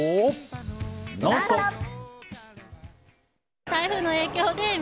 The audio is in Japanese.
「ノンストップ！」。